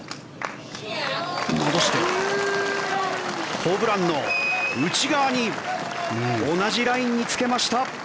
戻して、ホブランの内側に同じラインにつけました！